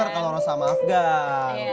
aku denger kalau rosa sama afgan